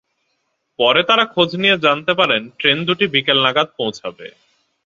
পরে তাঁরা খোঁজ নিয়ে জানতে পারেন ট্রেন দুটি বিকেল নাগাদ পৌঁছাবে।